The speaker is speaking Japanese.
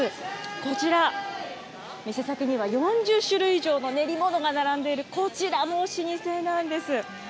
こちら、店先には４０種類以上の練り物が並んでいる、こちらも老舗なんです。